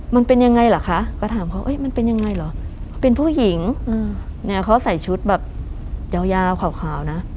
มันเป็นยังไงเหรอคะก็ถามเขามันเป็นยังไงเหรอเป็นผู้หญิงเนี่ยเขาใส่ชุดแบบยาวขาวนะ